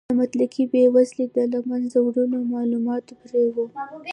د مطلقې بې وزلۍ د له منځه وړلو مالومات پرې و.